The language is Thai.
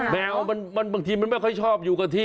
แมวบางทีมันไม่ค่อยชอบอยู่กับที่